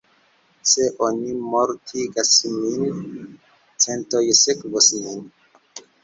Se oni mortigas nin, centoj sekvos nin.